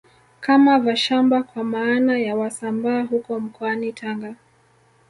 Kama Vashamba kwa maana ya Wasambaa huko mkoani Tanga